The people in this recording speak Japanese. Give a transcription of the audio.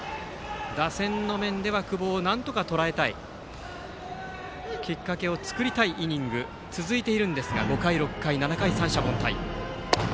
打線の面では久保をなんとかとらえたいきっかけを作りたいイニングが続いているんですが５回、６回、７回と三者凡退。